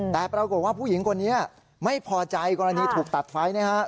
แต่ปรากฏว่าผู้หญิงคนนี้ไม่พอใจกรณีถูกตัดไฟนะครับ